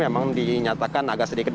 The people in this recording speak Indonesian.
memang dinyatakan agak sedikit